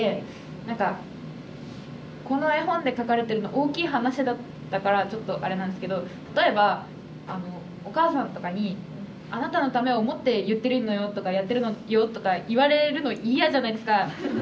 何かこの絵本でかかれてるのは大きい話だったからちょっとあれなんですけど例えばあのお母さんとかに「あなたのためを思って言ってるのよ」とか「やってるのよ」とか言われるの嫌じゃないですか。